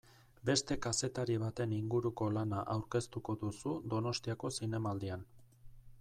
Beste kazetari baten inguruko lana aurkeztuko duzu Donostiako Zinemaldian.